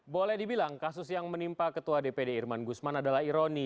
boleh dibilang kasus yang menimpa ketua dpd irman gusman adalah ironi